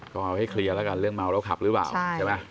ก็เอาให้เคลียร์แล้วกันเรื่องเมาแล้วขับหรือเปล่าใช่ไหม